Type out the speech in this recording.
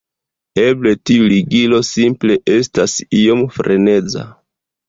Eble tiu ligilo simple estas iom freneza"